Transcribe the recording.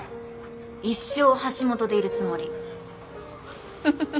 一生橋本でいるつもり。